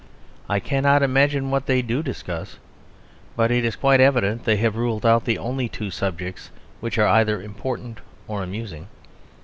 I cannot imagine what they do discuss; but it is quite evident that they have ruled out the only two subjects which are either important or amusing.